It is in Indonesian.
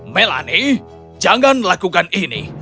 melanie jangan lakukan ini